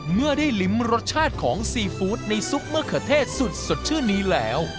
เมื่อได้ลิ้มรสชาติของซีฟู้ดในซุปมะเขือเทศสุดสดชื่นนี้แล้ว